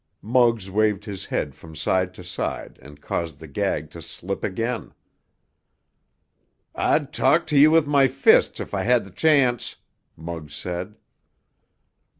Muggs waved his head from side to side and caused the gag to slip again. "I'd talk to you with my fists if I had th' chance!" Muggs said.